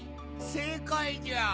正解じゃ！